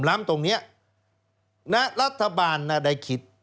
และรัฐบาลได้คิด